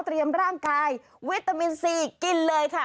ร่างกายวิตามินซีกินเลยค่ะ